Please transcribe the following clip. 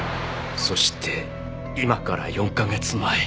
そして今から４カ月前。